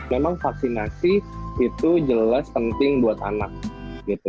memang vaksinasi itu jelas penting buat anak gitu